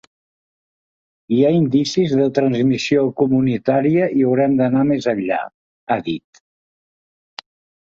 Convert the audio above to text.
Hi ha indicis de transmissió comunitària i haurem d’anar més enllà, ha dit.